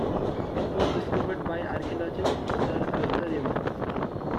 It was discovered by archaeologist Sir Arthur Evans.